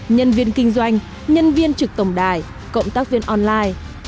nhân viên kinh doanh nhân viên trực tổng đài cộng tác viên online